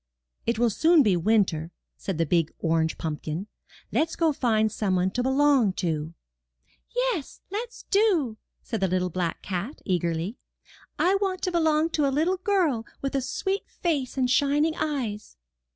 ''It will soon be winter, said the big orange pumpkin; *'let*s go find some one to belong to. ''Yes, let*s do, said the little black cat, eagerly. "I want to belong to a little girl with a sweet face and shining eyes.